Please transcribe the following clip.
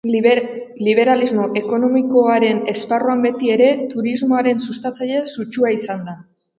Liberalismo ekonomikoaren esparruan beti ere, turismoaren sustatzaile sutsua izan da.